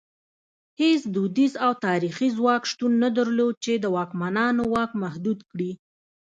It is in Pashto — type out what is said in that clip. هېڅ دودیز او تاریخي ځواک شتون نه درلود چې د واکمنانو واک محدود کړي.